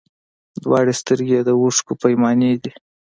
دواړي سترګي یې د اوښکو پیمانې دي